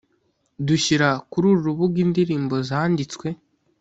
dushyira kuri uru rubuga indirimbo zanditswe